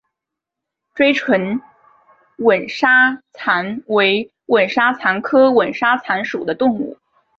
锥唇吻沙蚕为吻沙蚕科吻沙蚕属的动物。